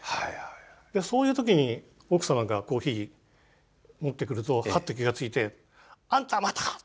そういう時に奥様がコーヒー持ってくるとハッと気がついて「あんたまた！